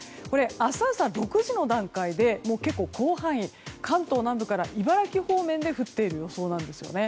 明日朝６時の段階で結構広範囲関東南部から茨城方面で降っている予想なんですよね。